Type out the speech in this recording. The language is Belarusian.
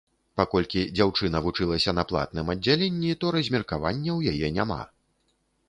Паколькі дзяўчына вучылася на платным аддзяленні, то размеркавання ў яе няма.